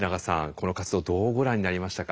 この活動どうご覧になりましたか？